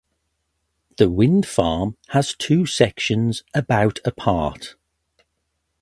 The wind farm has two sections about apart.